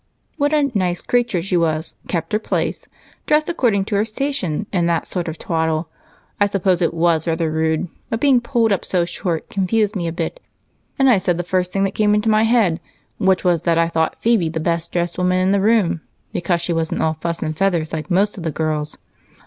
What a 'nice creature' she was, 'kept her place,' dressed according to her station, and that sort of twaddle. I suppose it was rather rude, but being pulled up so short confused me a bit, and I said the first thing that came into my head, which was that I thought Phebe the best dressed woman in the room because she wasn't all fuss and feathers like most of the girls."